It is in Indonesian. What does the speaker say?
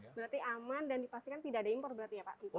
berarti aman dan dipastikan tidak ada impor berarti ya pak